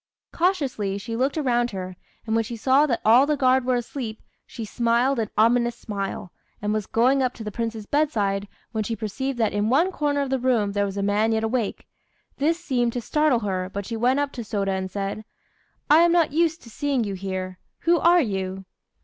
Cautiously she looked around her; and when she saw that all the guard were asleep, she smiled an ominous smile, and was going up to the Prince's bedside, when she perceived that in one corner of the room there was a man yet awake. This seemed to startle her, but she went up to Sôda and said "I am not used to seeing you here. Who are you?"